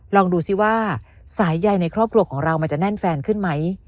ลองดูซิว่าสายใยในครอบครัวของเรามันจะแน่นแฟนขึ้นไหม